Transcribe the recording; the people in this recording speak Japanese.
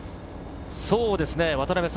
そうですね。